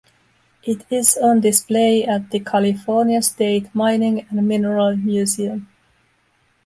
It is on display at the California State Mining and Mineral Museum.